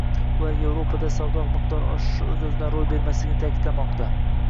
ular Yevropada savdo miqdori oshishi o‘z-o‘zidan ro‘y bermasligini ta’kidlashmoqda.